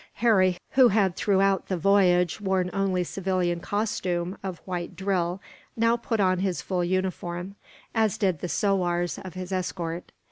Harry, who had throughout the voyage worn only civilian costume of white drill, now put on his full uniform; as did the sowars of his escort.